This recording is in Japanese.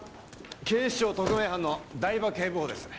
警視庁特命班の台場警部補です。